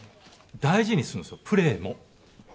大事にするんですよ、プレーも。